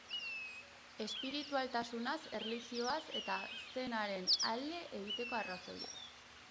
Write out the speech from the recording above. Espiritualtasunaz, erlijioez, eta zen-aren alde egiteko arrazoiez.